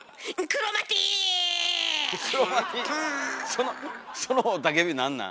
そのその雄たけびなんなん？